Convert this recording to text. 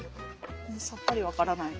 さっぱり分からない。